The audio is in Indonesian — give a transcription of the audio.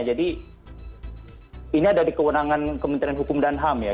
jadi ini ada di kewenangan kementerian hukum dan ham ya